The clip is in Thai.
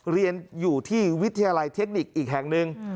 เรียนอยู่ที่วิทยาลัยเทคนิคอีกแห่งหนึ่ง